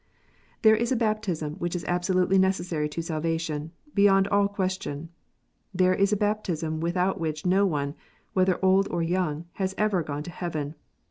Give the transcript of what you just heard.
There is a baptism which is absolutely necessary to salvation, beyond all question. There is a baptism without which no one, whether old or young, has ever gone to heaven.